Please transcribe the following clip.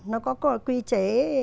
nó có quy chế